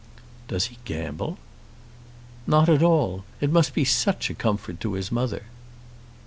"Does he gamble?" "Not at all. It must be such a comfort to his mother!"